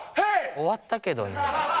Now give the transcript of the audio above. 終わったけど。